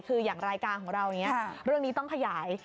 คืออย่างรายการของเราอย่างนี้เรื่องนี้ต้องขยาย